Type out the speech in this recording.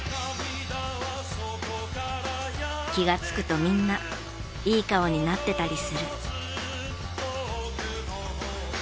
気がつくとみんないい顔になってたりする。